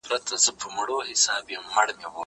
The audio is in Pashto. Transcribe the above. هغه څوک چي سیر کوي روغ وي!!